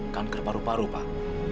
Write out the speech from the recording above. kanker paru paru pak